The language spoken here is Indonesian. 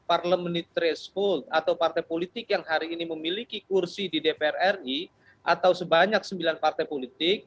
atau partai politik yang memiliki kursi di dpr ri atau sebanyak sembilan partai politik